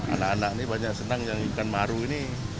anak anak ini banyak senang nyari ikan maru ini